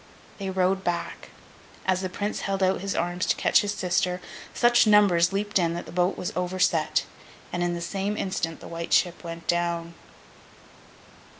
They rowed back. As the Prince held out his arms to catch his sister, such numbers leaped in, that the boat was overset. And in the same instant The White Ship went down.